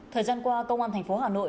thời gian qua công an thành phố hà nội